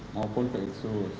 maupun ke iksus